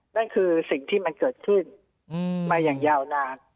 นั่นคือสิ่งที่มันเกิดขึ้นมาอย่างยาวนาน